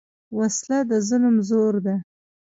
وسله د ظلم زور ده